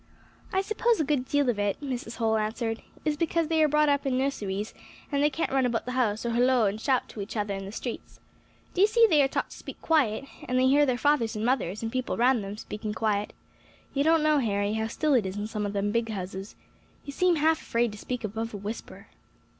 "I suppose a good deal of it," Mrs. Holl answered, "is because they are brought up in nusseries, and they can't run about the house, or holloa or shout to each other in the streets. D' ye see they are taught to speak quiet, and they hear their fathers and mothers, and people round them, speaking quiet. You dun't know, Harry, how still it is in some of them big houses, you seem half afraid to speak above a whisper."